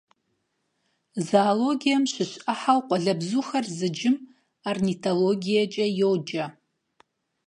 Зоологием щыщ Ӏыхьэу къуалэбзухэр зыджым орнитологиекӀэ йоджэ.